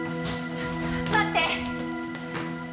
待って！